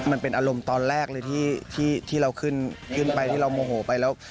มันเป็นอารมณ์ตอนแรกเลยที่เราขึ้นขึ้นไปที่เราโมโหไปแล้ว